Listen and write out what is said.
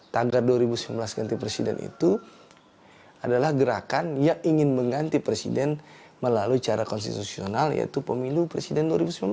tagar dua ribu sembilan belas ganti presiden itu adalah gerakan yang ingin mengganti presiden melalui cara konstitusional yaitu pemilu presiden dua ribu sembilan belas